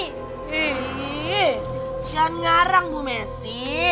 hei jangan ngarang bu messi